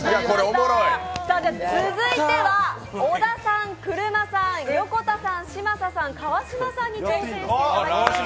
続いては小田さん、くるまさん横田さん、嶋佐さん、川島さんに挑戦してもらいます。